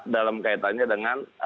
dalam kaitannya dengan